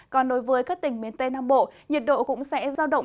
còn đối với các tỉnh miền tây nam bộ nhiệt độ cũng sẽ giao động